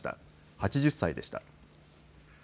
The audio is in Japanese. ８０歳でした。